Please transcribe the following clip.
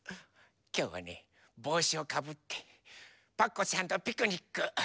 きょうはねぼうしをかぶってパクこさんとピクニック。